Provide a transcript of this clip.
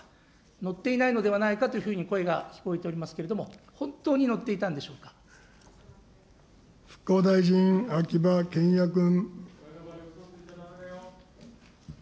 乗っていないのではないかというふうに声が聞こえておりますけれども、本当に乗っていたんでしょ復興大臣、秋葉賢也君。